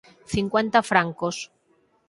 cincuenta francos.